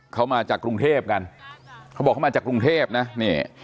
เขามาจากกรุงเทพกันเขาบอกเขามาจากกรุงเทพนะนี่